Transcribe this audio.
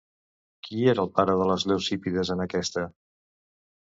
Qui era el pare de les Leucípides en aquesta?